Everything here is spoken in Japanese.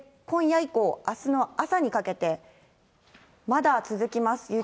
今夜以降、あすの朝にかけて、まだ続きます。